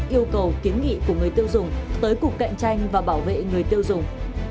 yêu cầu kiến nghị của người tiêu dùng tới cục cạnh tranh và bảo vệ người tiêu dùng